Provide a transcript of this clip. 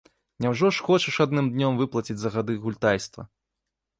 Няўжо ж хочаш адным днём выплаціць за гады гультайства?